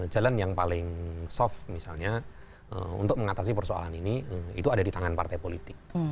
jalan yang paling soft misalnya untuk mengatasi persoalan ini itu ada di tangan partai politik